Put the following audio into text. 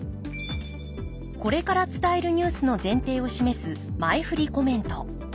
これから伝えるニュースの前提を示す前振りコメント。